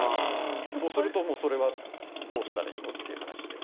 そうするともうそれはどうしたらいいの？っていう話で。